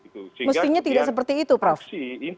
mestinya tidak seperti itu prof